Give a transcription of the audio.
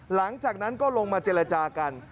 หลังจากนั้นก็ลงมาเจรจากัน